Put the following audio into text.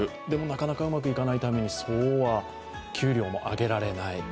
なかなかうまくいかないためにそうは給料も上げられない。